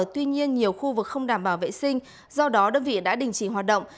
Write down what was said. tuy nhiên nhiều khu vực không đảm bảo vệ sinh do đó đơn vị đã đình chỉ hoạt động